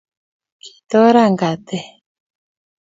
kitoran kate